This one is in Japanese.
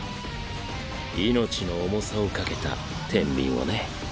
命の重さをかけた天秤をね。